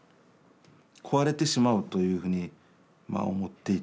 壊れてしまうというふうに思っていたんですね。